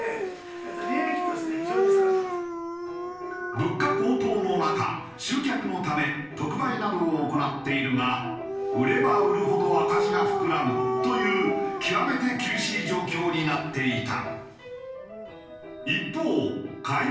物価高騰の中集客のため特売などを行っているが売れば売るほど赤字が膨らむという極めて厳しい状況になっていた。